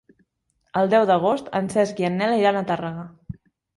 El deu d'agost en Cesc i en Nel iran a Tàrrega.